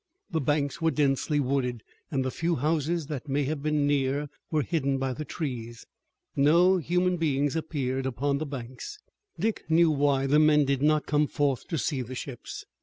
The banks were densely wooded, and the few houses that may have been near were hidden by the trees. No human beings appeared upon the banks. Dick knew why the men did not come forth to see the ships.